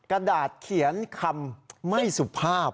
กระดาษเขียนคำไม่สุภาพ